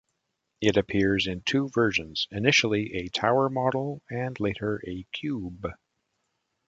It appears in two versions, initially a tower model and later a cube.